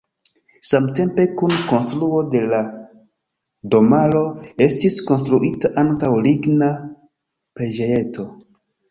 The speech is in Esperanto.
Samtempe kun konstruo de la domaro estis konstruita ankaŭ ligna preĝejeto.